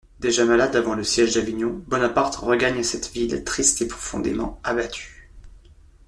Déjà malade avant le siège d’Avignon, Bonaparte regagne cette ville, triste et profondément abattu.